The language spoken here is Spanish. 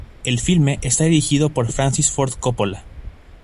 El filme está dirigido por Francis Ford Coppola.